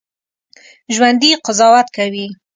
ژوندي قضاوت کوي